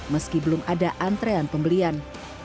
meski belum ada antrean pembelian